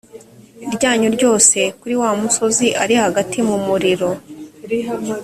ryanyu ryose kuri wa musozi ari hagati mu muriro